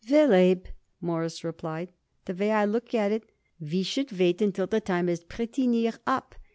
"Well, Abe," Morris replied, "the way I look at it, we should wait till his time is pretty near up.